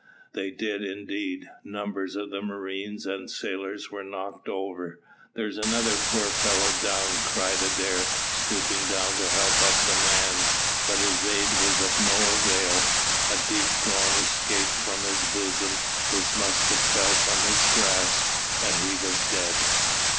They did, indeed. Numbers of the marines and sailors were knocked over. "There's another poor fellow down," cried Adair, stooping down to help up the man, but his aid was of no avail. A deep groan escaped from his bosom, his musket fell from his grasp, and he was dead.